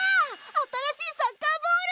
新しいサッカーボール！